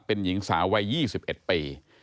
เป็นหญิงสาววัย๒๑ปี